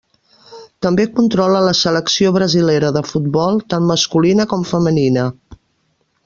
També controla la selecció brasilera de futbol, tant masculina com femenina.